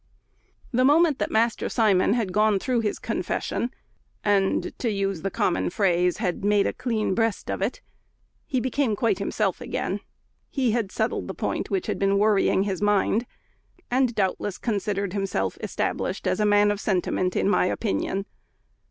The moment that Master Simon had gone through his confession, and, to use the common phrase, "had made a clean breast of it," he became quite himself again. He had settled the point which had been worrying his mind, and doubtless considered himself established as a man of sentiment in my opinion.